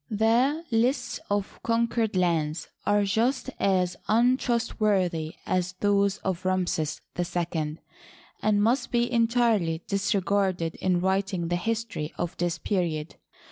The " lists of conquered lands " are just as untrustworthy as those of Ramses II, and must be entirely disregarded in writing the history of this period.